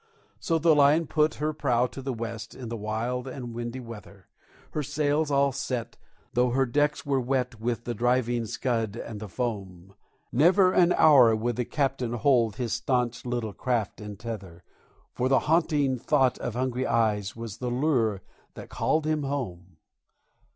So the Lion put her prow to the West in the wild and windy weather, Her sails all set, though her decks were wet with the driving scud and the foam; Never an hour would the Captain hold his staunch little craft in tether, For the haunting thought of hungry eyes was the lure that called him home.